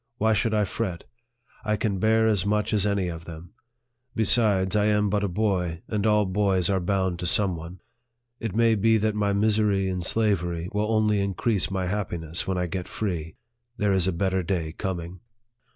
Why should I fret ? I can bear as much as any of them. Besides, I am but a boy, and all boys are bound to some one. It may be that my misery in slavery will only increase my happiness when I get free. There is a better day coming."